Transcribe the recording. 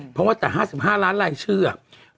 เพราะว่าแต่๕๕ล้านรายชื่ออ่ะ